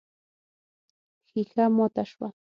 ښيښه ماته شوه.